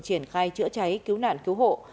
triển khai chữa cháy cứu nạn cứu hộ